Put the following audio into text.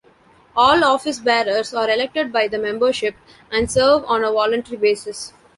All office bearers are elected by the membership and serve on a voluntary basis.